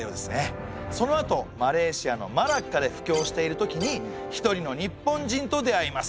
そのあとマレーシアのマラッカで布教している時に一人の日本人と出会います。